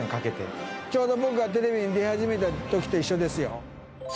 ちょうど僕がテレビに出始めた時と一緒ですよ。